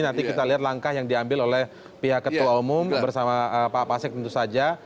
nanti kita lihat langkah yang diambil oleh pihak ketua umum bersama pak pasek tentu saja